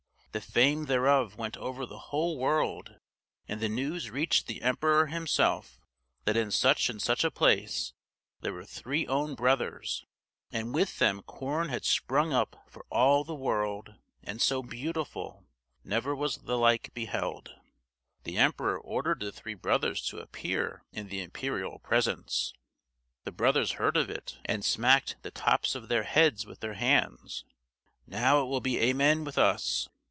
The fame thereof went over the whole world, and the news reached the emperor himself, that in such and such a place there were three own brothers, and with them corn had sprung up for all the world, and so beautiful, never was the like beheld! The emperor ordered the three brothers to appear in the imperial presence. The brothers heard of it, and smacked the tops of their heads with their hands. "Now it will be amen with us!"